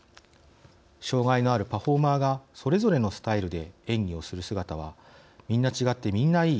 障害のあるパフォーマーがそれぞれのスタイルで演技をする姿は「みんな違ってみんないい」